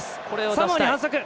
サモアに反則。